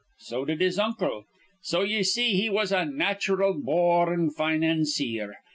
So did his uncle. So ye see he was a natural bor rn fi nanceer.